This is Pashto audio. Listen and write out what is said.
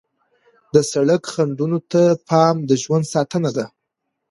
د سړک خنډونو ته پام د ژوند ساتنه ده.